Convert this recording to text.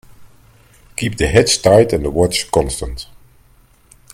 Keep the hatch tight and the watch constant.